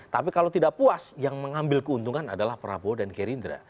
tapi kalau tidak puas yang mengambil keuntungan adalah prabowo dan gerindra